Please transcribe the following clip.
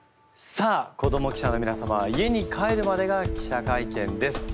さあ子ども記者のみなさまは家に帰るまでが記者会見です。